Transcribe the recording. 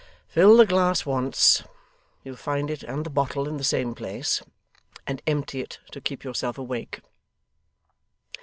Fill the glass once you'll find it and the bottle in the same place and empty it to keep yourself awake.